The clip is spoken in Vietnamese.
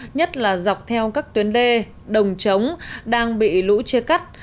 nhất là dọc theo các tuyến đê đồng trống đang bị lũ chia cắt